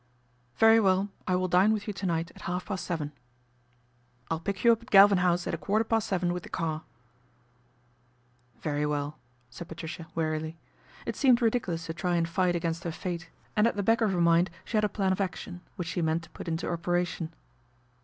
" Very well, I will dine with you to night at half past seven." " I'll pick you up at Galvin House at a quarter past seven with the car." " Very well," said Patricia wearily. It seemed ridiculous to try and fight against her fate, and 168 PATRICIA BRENT, SPINSTER at the back of her mind she had a plan of action, which she meant to put into operation.